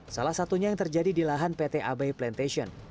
salah satunya yang terjadi di lahan pt abai plantation